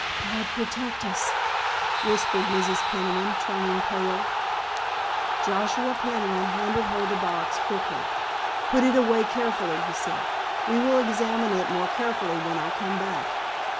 "God protect us," whispered Mrs. Peniman, turning pale. Joshua Peniman handed her the box quickly. "Put it away carefully," he said. "We will examine it more carefully when I come back.